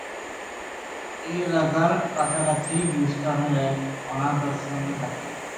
এই এলাকার কাছাকাছিই গিলস্টনের এক অনাথাশ্রমে থাকি।